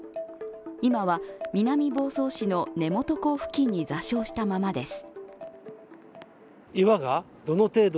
今は南房総市の根本港付近に座礁したままです。